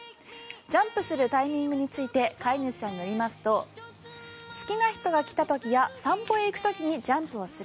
ジャンプするタイミングについて飼い主さんによりますと好きな人が来た時や散歩へ行く時にジャンプをする。